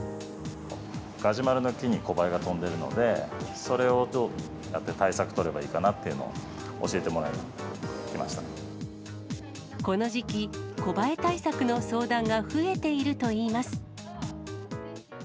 ガジュマルの木にコバエが飛んでるので、それをどうやって対策取ればいいかなっていうのを教えてもらいにこの時期、コバエ対策の相談が増えているといいます。